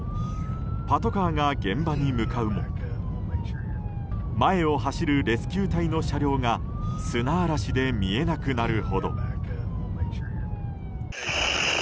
パトカーが現場に向かうも前を走るレスキュー隊の車両が砂嵐で見えなくなるほど。